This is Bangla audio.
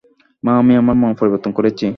মা, আমি আমার মন পরিবর্তন করেছি।